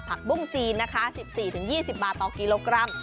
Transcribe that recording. บุ้งจีนนะคะ๑๔๒๐บาทต่อกิโลกรัม